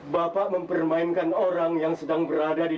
bapak mempermainkan orang yang sedang berada di dalam rumah